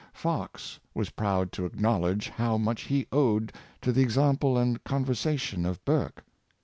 Fox was proud to acknowledge how much he owed to the example and conversation of Burke.